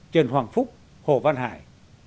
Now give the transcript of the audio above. trần hoàng phúc hồ văn hải